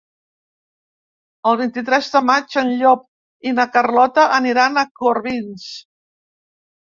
El vint-i-tres de maig en Llop i na Carlota aniran a Corbins.